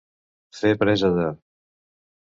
Fer presa de.